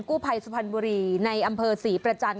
กู้ภัยสุพรรณบุรีในอำเภอศรีประจันท